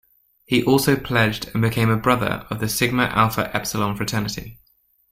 He also pledged and became a brother of the Sigma Alpha Epsilon fraternity.